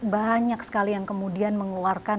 banyak sekali yang kemudian mengeluarkan